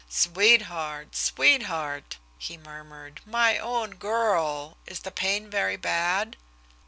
"Sweetheart! Sweetheart!" he murmured, "my own girl! Is the pain very bad?"